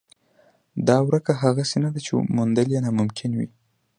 دا ورکه هغسې نه ده چې موندل یې ناممکن وي.